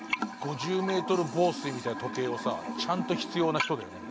５０ｍ防水みたいな時計をさちゃんと必要な人だよね。